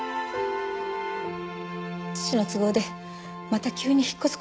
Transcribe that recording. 父の都合でまた急に引っ越す事になって。